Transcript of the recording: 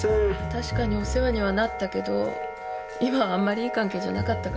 確かにお世話にはなったけど今はあんまりいい関係じゃなかったからね。